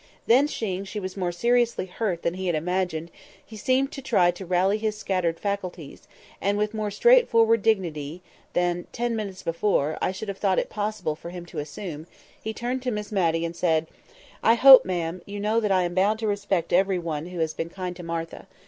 Then seeing that she was more seriously hurt than he had imagined, he seemed to try to rally his scattered faculties, and with more straightforward dignity than, ten minutes before, I should have thought it possible for him to assume, he turned to Miss Matty, and said, "I hope, ma'am, you know that I am bound to respect every one who has been kind to Martha.